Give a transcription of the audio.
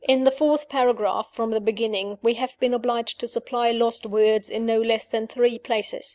In the fourth paragraph from the beginning we have been obliged to supply lost words in no less than three places.